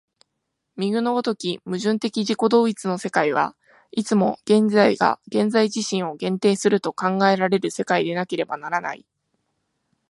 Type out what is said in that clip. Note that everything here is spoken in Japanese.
右の如き矛盾的自己同一の世界は、いつも現在が現在自身を限定すると考えられる世界でなければならない。